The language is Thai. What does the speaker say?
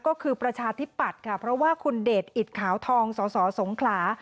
ก็คือประชาธิปัตย์ค่ะเพราะว่าคุณเดชอิดขาวทองสสสงขลา